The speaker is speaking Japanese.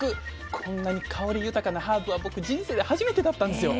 こんなに香り豊かなハーブは僕人生で初めてだったんですよ。